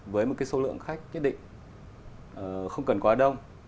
với một số lượng khách nhất định không cần quá đông